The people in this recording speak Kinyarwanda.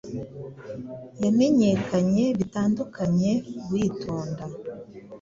Yamenyekanye bitandukanye witonda